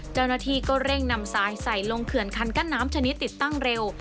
เจ้าหน้าที่ก็เร่งนำทรายใส่ลงเขื่อนคันกั้นน้ำชนิดติดตั้งเร็ว